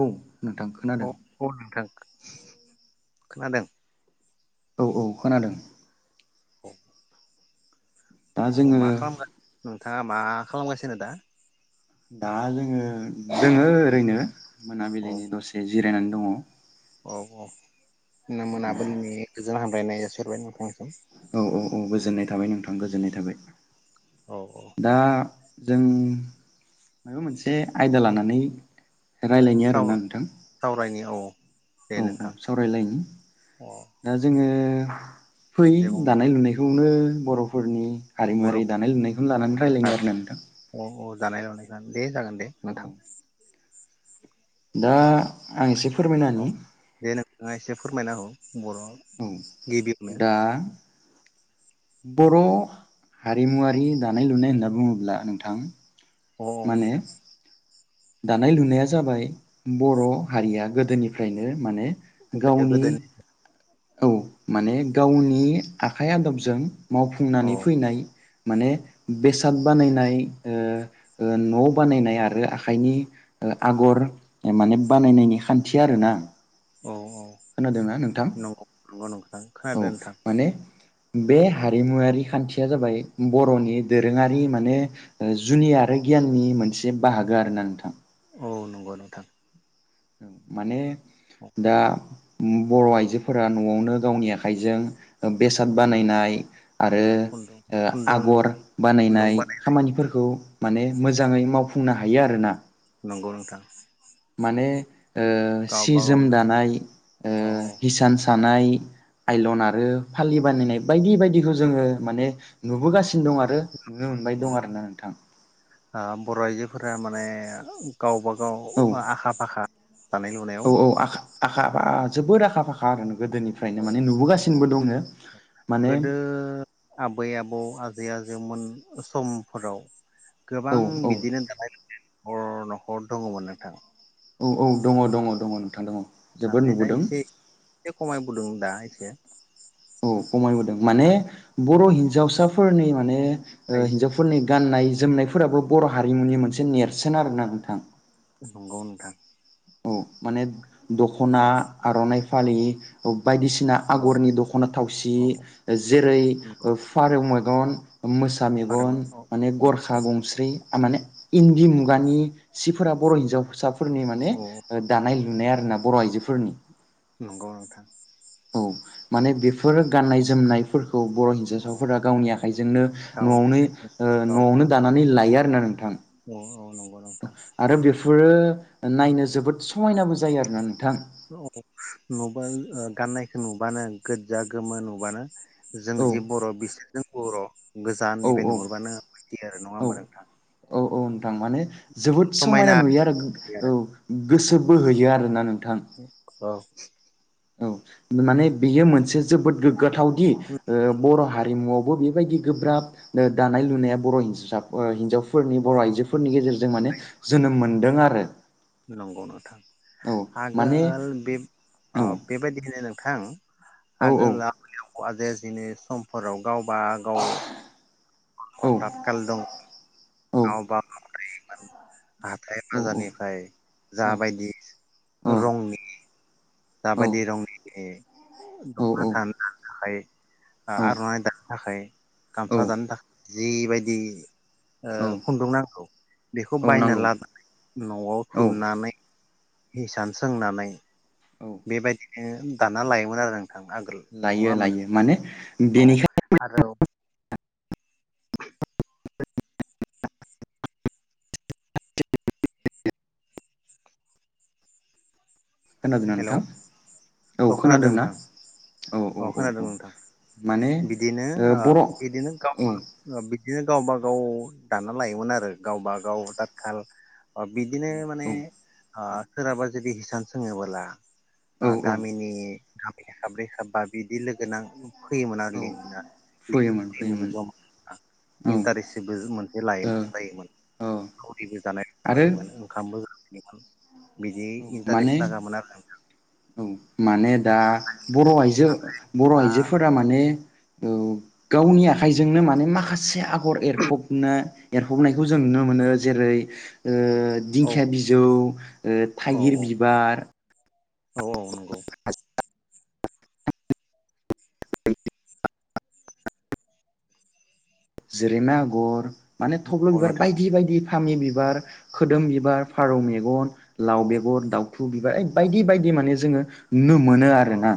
औ नोंथां औ खोनादों औ नोंथां खोनादों औ औ खोनादों [inaudible] दा अ जोङो मा खालामगा नोंथांङा मा खालामगासिनो दा दा जोङो दोंङो ओरैनो औ मोनाबिलिनि दसे जिरायनानै दङ औ औ नो मोनाबलिनि गोजोन हाम ब्लायनाय जासिहरबाय नोंथां औ औ औ गोजोननाय थाबाय नोंथां गोजोननाय थाबाय औ औ दा जों माबा मोनसे आयदा लानानै रायलायनि साव आरोना नोंथां। सावरायनि औ दे औ औ नोंथां सावरायलायनि अ दा जोङो [inaudible] फै दे बुंलाय दानाय लुनायखौ खौनो बर'फोरनि बर' हारिमुवारि दानाय लुनायखौनो लानानै रायलायनि आरो ना नोंथां। दानाय-लुनायखोनो दे जागोन दे औ नोंथां। दा आं एसे फोरमायना होनि थांङा एसे फोरमायनाहो। औ दा बर' हारिमुवारि दानाय लुनाय होनना बुङोब्ला नोंथां अ माने नोथां। दानाय लुनाया जाबाय बर' हारिया गोदोनिफ्रायनो माने गोदो गावनि गोदायनि औ माने गावनि आखाइ आदबजों औ मावफुंनानै फैनाय माने बेसाद बानायनाय ओ ओ न बानायनाय आरो आखा खाइनि ओ आगर माने बानायनायनि खान्थि आरोना। औ औ खोनादोंना नोंथां? नंगौ नंगौ नोंथां औ खोनादों नोंथां। माने बे हारिमुवारि खान्थिया जाबाय बर'नि दोरोङारि माने ओ जुनि आरो गियाननि मोनसे बाहागो आरोना नोंथां। औ नंगौ नोंथां। माने दा म बर' आइजोफोरा नआवनो गावनि आखाइजों ओ बेसाद उम बानायनाय आरो अ खुन्दुं ओ खुन्दुं आगर खुन्दुं बानायनाय बानाय खामानिफोरखौ माने मोजाङै मावफुंनो हायो आरो ना। नंगौ नोंथां। माने ओ सि गावबा जोम गावनो दानाय ओ अ हिसान सा दानाय आइलन आरो फालि बानायनाय बायदि बायदिखौ जोङो माने नुबोगासि नो दं आरो नुनो मोनबाय अ दं आरोना नोंथां। आ बर' आइजोफोरा माने गावबा औ गाव आखा फाखा दानाय औ लुनायाव। औ आखा आखा फा जोबोद आखा फाखा आरो गोदोनिफ्रायनो औ माने औ नुबोगासिनोबो दंङो माने गोदो जौमोन समफोराव औ गोबां औ बिदिनो [unintelligible] नखर नखर दङमोन नोंथां। औ, औ दङ, दङ, दङ नोंथां दङ। जोबोद नाथाय दा नुबोदों एसे एसे खमायबोदों दा एसे औ खमायबोदों माने बर औ हिन्जावसाफोरनि माने ओ आइ हिन्जावफोरनि गाननाय जोमनायफोराबो बर' हारिमुनि मोनसे नेरसोन आरोना नोंथां। नंगौ नोंथां। औ माने दखना, औ आरनाइ फालि बायदिसिना औ आगरनि दखना थावसि औ जेरै नंगौ फारौ दन मोसा मेगन थारैनो औ माने गरखा औ गंस्रि आर माने इन्दि, मुगानि सिफोरा बर'हिन्जावसा फोरनि माने औ ओ दानाय नुनाय आरो ना बर' आइजोफोरनि नंगौ नोंथां। औ माने बेफोर गाननाय जोमनायफोर बर' अ हिन्जावसाफोरा गावनि आखाइजोंनो न'आवनो गावनि ओ गाव न'आवनो दानानै ला हायो आरो ना नोंथां। औ, औ नंगौ। नोंथां आरो बेफोरो नायनो जोबोद समायनाबो जायो आरोना नों ओ नुबा गाननाय नुबानो गोज्जा गोमो नुबानो जों औ जि बर' बि जों बर' औ गोजाननिफ्राय औ नुहरबानो मोथियो आरो नङा औ होमबा नोंथां। औ औ नोंथां माने जोबोद समायना नुयो आरो औ गोसो बोहैयो आरोना नों अ [inaudible] औ माने बेयो मोनसे जोबोद गो गोथावदि बर हारिमुआवबो बे बेबायदि गोब्राब दानाय लुनाया बर हिज्राब हिजाव फोरनि औ बर आइजोफोरनि गेजेरजों माने जोनोम मोनदों आ रो नंगौ नोथां। माने आगोल बे औ बेबायदियैनो नोंथां औ आगोल जे जिनो समफोराव गावबा गाव औ अटार काल दं [unintelligible] औ हाथाइ औ औ बाजारनिफ्राय जा बायदि औ रंनि जाबायदि रंनि दखना थानो दानो थाखाय औ आरनाइ दानो थाखाय औ गामसा दानो थाखाय जि बायदि औ खुन्दुं नांगौ बेखौ औ बायना नांगौ लानानै नआव औ थुननानै हिसान सोंनानै औ बेबायदिनो दानना लायोमोन आरो नोंथां। आगोल नङा लायो होमबा लायो माने अ [unintelligible] आरो खोनादोंना हेलौ नोंथां औ अ खोनादों खोनादोंना नोंथां औ औ अ औ खोनादों औ नोंथां माने बिदिनो ओ बर' औ बिदिनो गाव बिदिनो गावब गाव दाना लायोमोन आरो गावब गाव तातखाल बिदिनो औ माने सोरहाबा जुदि हिसान सोङोबोला आ औ औ गामिनि साब्रै साबा बिदि लोगोनां फैयोमोन आरो औ फैयोमोन लेंयोमोन फैयोमोन जमा औ ओ इन्टारेस्टबो मोनसे लायोमोन जायोमोन औ सावरिबो जानाय आरो जायोमोन ओंखामबो [inaudible] बिदि औ माने इन्टारेस्ट लागामोन आरो औ माने दा बर आइजो बर नोंथाङा आइजोफोरा माने औ गावनि आखाइजोंनो माने माखासे आगर एरफबनो एरफबनायखौ जों नुनो मोनो जेरै औ दिंखिया बिजौ औ थाइगिर बिबार औ औ नंगौ जोरेमा आगर माने थब्ल औ बिबार नोंथां बायदि बायदि फामि बिबार, खोदोम बिबार, फारौ मेगन लाव औ बेगर, दाउथु बिबार ओ बायदि बायदि माने जोङो नुनो मोनो अ आरोना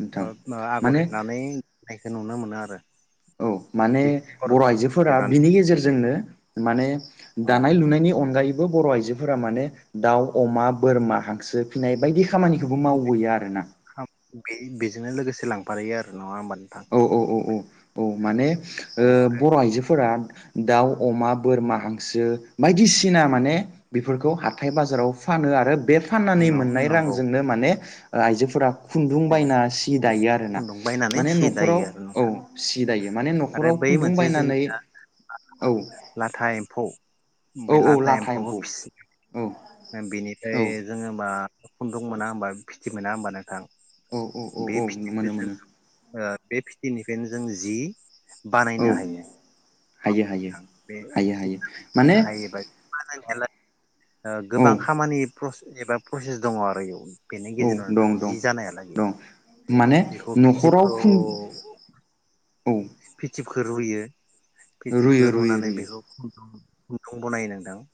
नोंथां आगर माने एरनानैनायखौ नुनो मोनो आरो [unintelligible] औ माने बेफोर बर'आइजोफोरा एरनानै बिनि गेजेरजोंनो माने औ दानाय लुनायनि अनगायै। बर' आइजोफोरा माने दाउ अमा बोरमा हांसो फिनाय बायदि खामानिखौबो मावबोयो आरोना। बे बेजोंनो लोगोसे लांफारहैयो आरो नङा होमबा। नोंथां औ औ औ औ औ माने अ ओ आरो बर‌' आइजोफोरा दाउ अमा बोरमा हांसो बायदिसिना माने बेफोरखौ हाथाय बाजाराव फानो आरो बे फाननानै मोननाय न नंगौ रांजोंनो माने आइजोफोरा खुन्दुं बायना सि दायो आर ना खुन्दुं बायनानै माने सि नख दायो नखराव आरो औ नोंथां सि दायो माने आरो नखराव बै खुन्दुं मोनसे जोंनि बायनानै औ लाथा एम्फौ औ बे औ लाथा एम्फौखौ एम्फौ औ फिसियो औ बेनिफ्राय जोङोबा खुन्दुं मोना होनबा फिथि मोना होनोमबा नोंथां। औ औ औ बे औ फिथिखौ मोनो जों मोनो। बे फिथिनिफ्रायनो जों जि औ बानायनो हायो हायो हायो बे हायो जि हायो बानायनो माने हायोबा बानाय ओ गोबां औ खामानि प्रस एबा प्रसेस दङ आरो इयाव। बेनि औ गेजेरावनो नोंथां दं दं जि जानाय आरो दं माने नख'राव फिन औ फिथिबखौ रुयो। फिथिबखौ रुयो रुयो रुनानै रुयो बेखौ खुन्दुं खन्दुं बनायो नोंथां ओ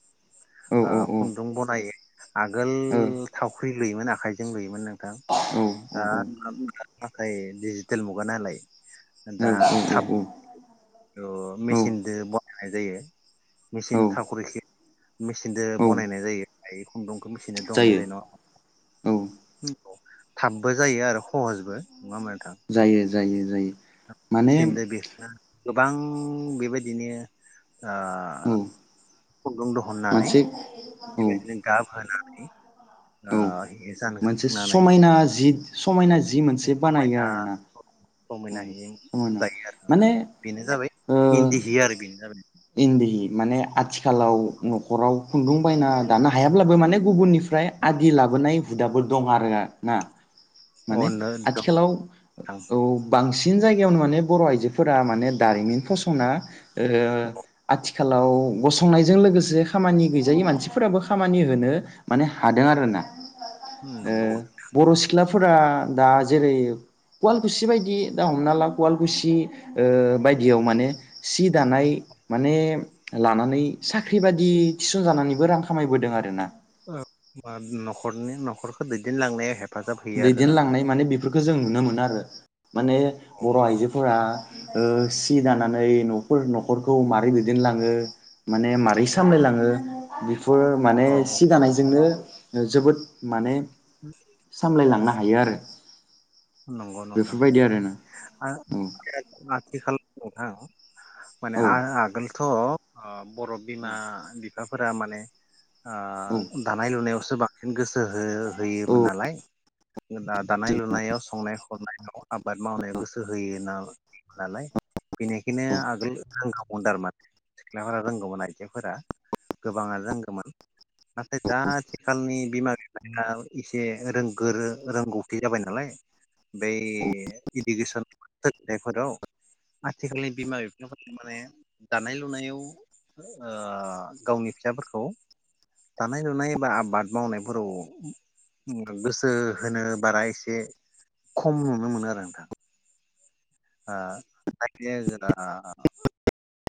औ खुन्दुं बनायो। आगोल औ थाव [unintelligible] आखाइजों लुयोन नोंथां ओ औ औ दा [inaudible] थाखाय डिजिटेल मुगा नालाय औ दा थाब अ औ मेचिनदो ब नाय जायो औ मेचिन टाकुर एखे मेसिनदो औ बनायनाय जायो। दायो खुनदुं बेखौ मेचिनदो दहननाय जायो औ न उम थाबबो जायो आरो खहजबो नङा होनबा नोंथां जायो जायो जायो माने मिथिनो [unintelligible] गोबां बेबायदिनो ओ औ खुन्दुं द अननानै मोनसे औ बेबायदिनो गाब होनानै [inaudible] ओ औ हिसान मोनसे सोंनानै समायना जि समायना जि मोनसे बानायो आरोना औ समायना होयो। समायना दायो आरो नोंथां माने बेनो जाबाय इन्दि हि आरो बेनो जाबाय इन्दी माने आथि खालाव न'खराव खुन्दुं बायना दानो हायाब्लाबो माने गुबुननिफ ओमफ्राय आदि लाबोनाय हुदाफोर दं आरो ना माने अनो दं आथिखालाव नोंथां औ बांसिन बांसिन जायगायावनो माने बर' आइजोफोरा माने दारिमिन फसं ना ओ आथि खालाव गसंनायजों लोगोसे खामानि गैजायै मानसिफोराबो खामानि होनो माने हादों आरोना ओ नंगौ बर' सिख्ला फोरा दा जेरै कवालकुसि बायदि दा हमना ला कवालकुसि ओ बायदियाव माने सि दानाय माने लानानै साख्रि बायदि थिसनजानानैबो रां खामायबोदों आरोना ओ नखरनि नखरखौ दैदेनलांनाया हेब दैदेनलांनाय माने बेफोरखो खौ जों नुनो मोनो आरो माने औ बर आइजोफोरा ओ सि दानानै नफोर नखरखौ मारै दैदेनलाङो माने मारै सामलायलाङो बेफोर माने औ सि दानायजोंनो जोबोद माने औ सामलायलांनो हायो आरो नंगौ नोंथां बेफोरबायदि आरोना आं औ [unintelligible] आथिखाल नोंथां माने औ आ-आगोलथ अ बरफ बिमा बिफा फोरा माने ओ औ दानाय लुनायावसो बां सिन गोसो हो-होयोमोन औ नालाय दा-दानाय लुनायाव संनाय खावनायाव आबाद मावनायाव गोसो होयोना ना-नालाय बेनिखायनो औ आगोल रोंखागौ थारमान सिख्लाफोरा रोंगौमोन आइजोफोरा गोबाङानो रोंगौमोन नाथाय दा आथिखालनि बिमा बिफाया एसे रोंगोरो रोंगौथि जाबाय नालाय बे‌ इडुकेसन सोलोंथाइफोराव आथिखालनि बिमा बिफाफोरा माने दानाय लुनायाव ओ गावनि फिसाफोरखौ दानाय लुनाय एबा आबाद मावनायफोराव गोसो होनो बारा एसे खम नुनो मोनो आरो नोंथां आ [unintelligible]